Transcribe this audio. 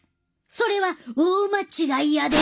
それは大間違いやで！